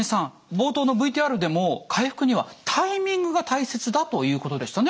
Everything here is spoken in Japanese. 冒頭のＶＴＲでも回復にはタイミングが大切だということでしたね。